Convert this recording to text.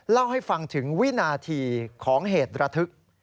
เล่าให้ฟังถึงวินาทีของเหตุระทึก